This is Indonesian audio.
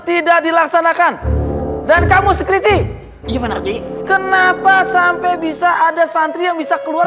tidak dilaksanakan dan kamu sekritik gimana sih kenapa sampai bisa ada santri yang bisa keluar